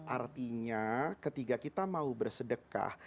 artinya ketika kita mau bersedekah